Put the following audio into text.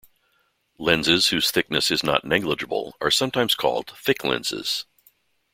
Lenses whose thickness is not negligible are sometimes called "thick lenses".